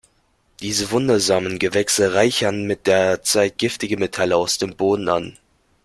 Diese wundersamen Gewächse reichern mit der Zeit giftige Metalle aus dem Boden an.